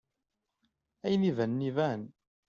Ayen ibanen iban.